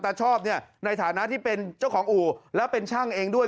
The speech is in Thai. ชอบเนี่ยในฐานะที่เป็นเจ้าของอู่แล้วเป็นช่างเองด้วย